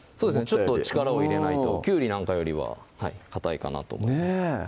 ちょっと力を入れないときゅうりなんかよりはかたいかなと思います